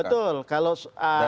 betul kalau ya apakah